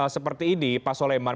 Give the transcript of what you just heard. seperti ini pak soleman